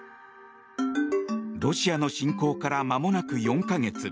ロシアの侵攻からまもなく４か月。